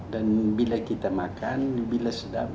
dan bila kita makan bila sedap